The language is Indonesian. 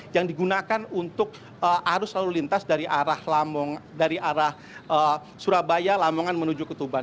ini sisi yang digunakan untuk arus lalu lintas dari arah surabaya lamongan menuju ke tuban